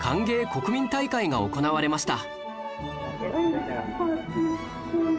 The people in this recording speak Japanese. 国民大会が行われました